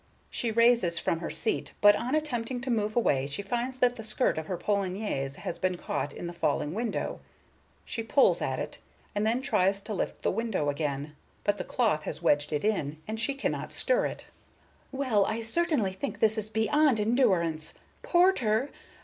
She rises from her seat, but on attempting to move away she finds that the skirt of her polonaise has been caught in the falling window. She pulls at it, and then tries to lift the window again, but the cloth has wedged it in, and she cannot stir it. "Well, I certainly think this is beyond endurance! Porter!